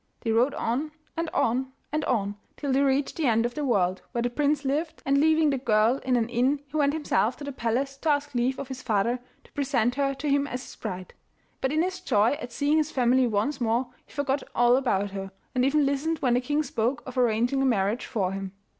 They rode on and on and on, till they reached the end of the world, where the prince lived, and leaving the girl in an inn he went himself to the palace to ask leave of his father to present her to him as his bride; but in his joy at seeing his family once more he forgot all about her, and even listened when the king spoke of arranging a marriage for him.